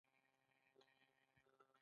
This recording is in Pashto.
دلته سافټویر او ټیکنالوژي سره یوځای کیږي.